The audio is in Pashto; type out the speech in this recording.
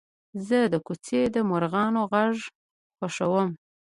زه د کوڅې د مرغانو غږ خوښوم.